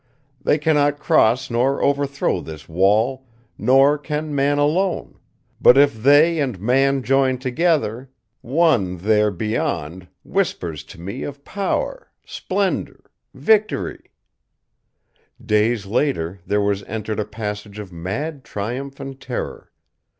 _' They cannot cross nor overthrow this Wall, nor can man alone; but if they and man join together One there beyond whispers to me of power, splendor, victory " Days later, there was entered a passage of mad triumph and terror.